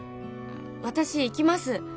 私行きます